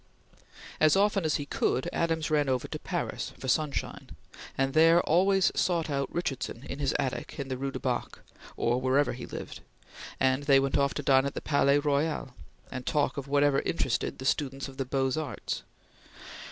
As often as he could, Adams ran over to Paris, for sunshine, and there always sought out Richardson in his attic in the Rue du Bac, or wherever he lived, and they went off to dine at the Palais Royal, and talk of whatever interested the students of the Beaux Arts.